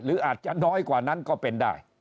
หรืออาจจะน้อยกว่านั้นก็เป็นได้